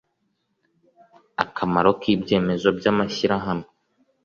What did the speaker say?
akamaro k ibyemezo by amashyirahamwe